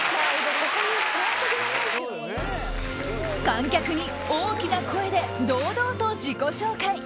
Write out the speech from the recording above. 観客に大きな声で堂々と自己紹介。